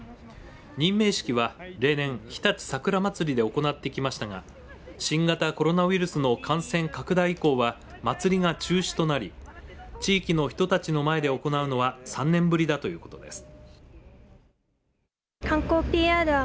任命式は例年、日立さくらまつりで行ってきましたが新型コロナウイルスの感染拡大以降はまつりが中止となり地域の人たちの前で行うのは３年ぶりだということです。